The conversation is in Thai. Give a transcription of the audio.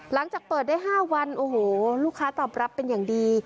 หลังจากเปิดได้๕วันโอ้โหลูกค้าตอบรับเป็นอย่างดี